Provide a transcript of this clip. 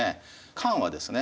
漢はですね